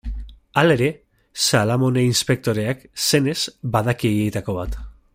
Halere, Salamone inspektoreak, senez, badaki haietako bat.